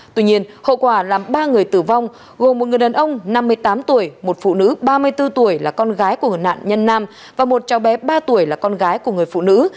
tuy nhiên hậu quả làm ba người tử vong gồm một người đàn ông năm mươi tám tuổi một phụ nữ ba mươi bốn tuổi là con gái của nạn nhân nam và một cháu bé ba tuổi là con gái của người phụ nữ